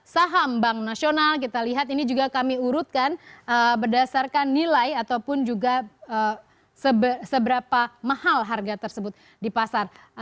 saham bank nasional kita lihat ini juga kami urutkan berdasarkan nilai ataupun juga seberapa mahal harga tersebut di pasar